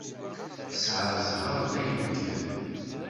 Nesεa ẓẓher dayen kan.